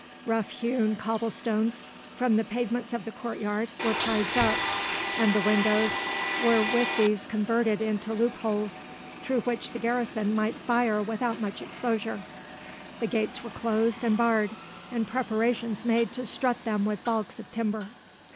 Rough hewn cobblestones from the pavements of the courtyard were prized up, and the windows were with these converted into loopholes through which the garrison might fire without much exposure. The gates were closed and barred, and preparations made to strut them with baulks of timber.